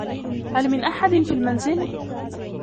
هل من أحد في المنزل؟